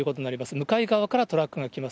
向かい側からトラックが来ます。